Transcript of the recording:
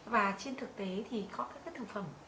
và trên thực tế thì có các thực phẩm